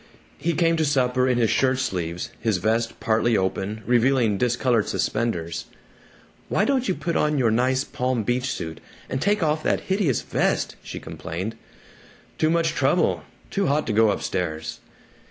He came to supper in his shirt sleeves, his vest partly open, revealing discolored suspenders. "Why don't you put on your nice Palm Beach suit, and take off that hideous vest?" she complained. "Too much trouble. Too hot to go up stairs."